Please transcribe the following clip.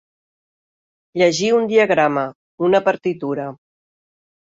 Llegir un diagrama, una partitura.